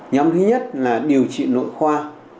nhóm thứ nhất là điều trị nội khoa